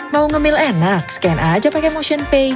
mau nge mail enak scan aja pake motion pay